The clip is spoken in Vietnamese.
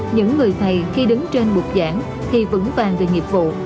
những người thầy khi đứng trên bụt giảng thì vững vàng về nghiệp vụ